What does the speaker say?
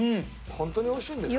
本当においしいんですか？